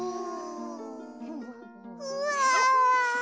うわ！